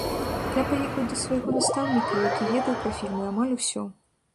Я паехаў да свайго настаўніка, які ведаў пра фільмы амаль усё.